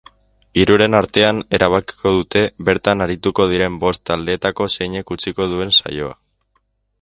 Hiruren artean erabakiko dute bertan arituko diren bost taldeetako zeinek utziko duen saioa.